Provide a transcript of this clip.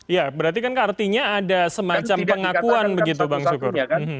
ya berarti kan artinya ada semacam pengakuan begitu bang syukur